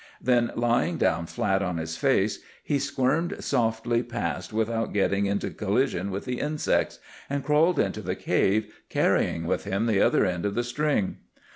Then, lying down flat on his face, he squirmed softly past without getting into collision with the insects, and crawled into the cave, carrying with him the other end of the string.